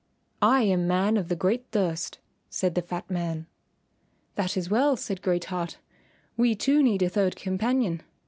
"I am Man of the Great Thirst," said the fat man. "That is well," said Great Heart, "we two need a third companion.